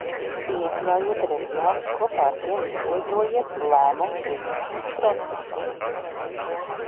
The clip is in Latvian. Iekļaujiet reģionus, kopā ar tiem izveidojiet lēmumu pieņemšanas procesus.